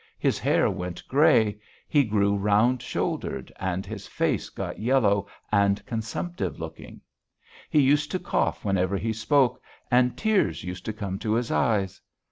His hair went grey, he grew round shouldered, and his face got yellow and consumptive looking. He used to cough whenever he spoke and tears used to come to his eyes.